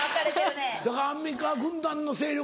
せやからアンミカ軍団の勢力